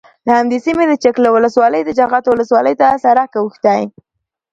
له همدې سیمې د چک له ولسوالۍ د جغتو ولسوالۍ ته سرک اوښتی،